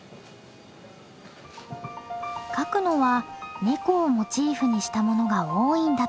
描くのはネコをモチーフにしたものが多いんだとか。